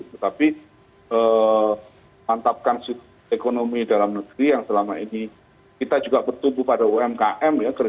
tetapi mantapkan ekonomi dalam negeri yang selama ini kita juga bertumbuh pada umkm ya